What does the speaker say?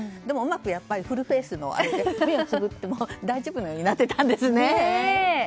でもうまくフルフェースで目をつぶっても大丈夫なようになってたんですね。